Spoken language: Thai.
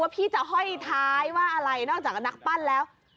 พี่จะห้อยท้ายว่าอะไรนอกจากนักปั้นแล้ว